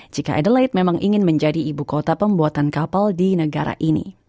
jika adelaide memang ingin menjadi ibu kota pembuatan kapal di negara ini